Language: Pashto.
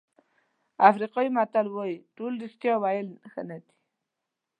افریقایي متل وایي ټول رښتیا ویل ښه نه دي.